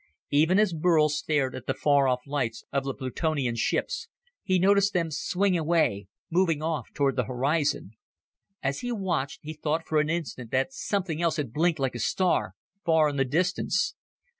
Even as Burl stared at the far off lights of the Plutonian ships, he noticed them swing away, moving off toward the horizon. As he watched, he thought for an instant that something else had blinked like a star, far in the distance.